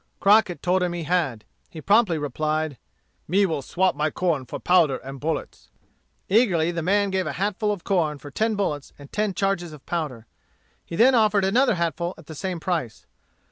Crockett told him he had. He promptly replied, "Me will swap my corn for powder and bullets." Eagerly the man gave a hatful of corn for ten bullets and ten charges of powder. He then offered another hatful at the same price.